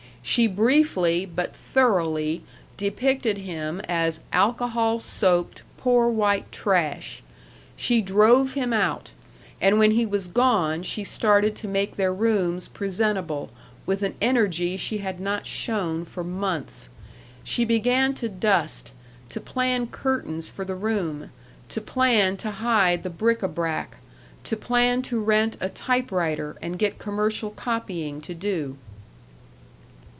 She briefly, but thoroughly, depicted him as alcohol soaked, poor white trash. She drove him out, and when he was gone she started to make their rooms presentable, with an energy she had not shown for months. She began to dust, to plan curtains for the room, to plan to hide the bric à brac, to plan to rent a typewriter and get commercial copying to do.